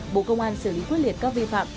bộ công an xử lý quyết liệt các vi phạm